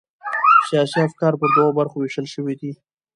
سیاسي افکار پر دوو برخو وېشل سوي دي.